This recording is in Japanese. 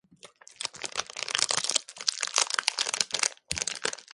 十幾人の家族が、ただ黙々としてめしを食っている有様には、